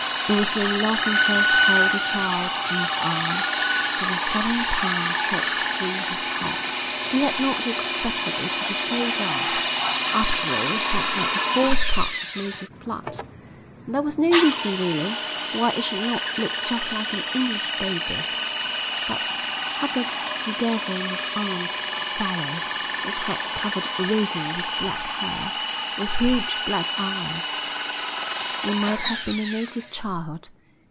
It was when Lawson first held the child in his arms that a sudden pang shot through his heart. He had not expected it to be so dark. After all it had but a fourth part of native blood, and there was no reason really why it should not look just like an English baby; but, huddled together in his arms, sallow, its head covered already with black hair, with huge black eyes, it might have been a native child.